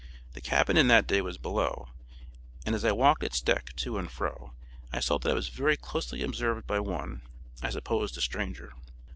The cabin in that day was below, and as I walked its deck, to and fro, I saw that I was very closely observed by one, I supposed a stranger.